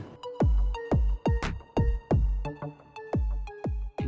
tante nawang yang keliatan